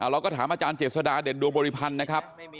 เราก็ถามอาจารย์เจษฎาเด่นดวงบริพันธ์นะครับ